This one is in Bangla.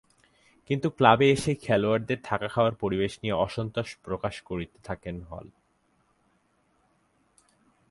কিন্তু ক্লাবে এসেই খেলোয়াড়দের থাকা-খাওয়ার পরিবেশ নিয়ে অসন্তোষ প্রকাশ করতে থাকেন হল।